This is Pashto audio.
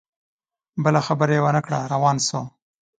بله خبره یې ونه کړه روان سو